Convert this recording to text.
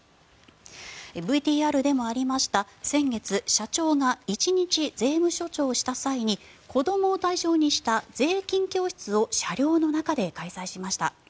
ＶＴＲでもありました先月、社長が一日税務署長をした際に子どもを対象にした税金教室を車両の中で開催しました。